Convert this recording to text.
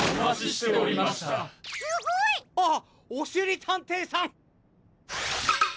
すごい！・あっおしりたんていさん！